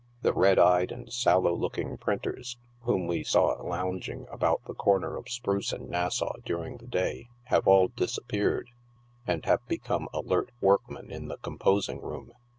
The red eyed and sallow looking printers, whom we saw lounging about the corner of Spruce and Nassau during the day, have all disappeared, and have become alert workmen in the composing room.